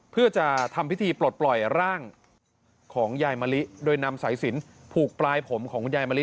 เพื่อจะทำพิธีปลดปล่อยร่างของยายมะลิโดยนำสายสินผูกปลายผมของคุณยายมะลิ